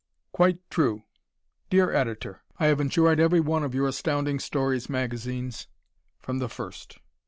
Quite True Dear Editor: I have enjoyed every one of your Astounding Stories magazines from the first.